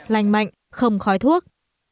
lành mạnh không khói thuốc